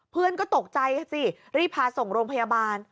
เพื่อนก็ตกใจสิรีบพาส่งโรงพยาบาล